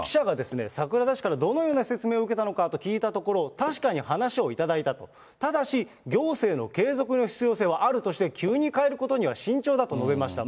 記者が桜田氏からどのような説明を受けたのかと聞いたところ、確かに話を頂いたと、行政の継続の必要性はあるとして、急に変えることには慎重だと述べました。